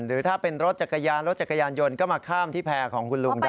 หรือถ้าเป็นรถจักรยานรถจักรยานยนต์ก็มาข้ามที่แพร่ของคุณลุงได้